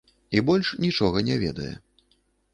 І больш нічога не ведае.